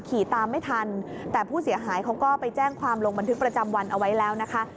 ขี่ตามไม่ทันแต่ผู้เสียหายเขาก็ไปแจ้งความลงบันทึกประจำวันเอาไว้แล้วนะคะ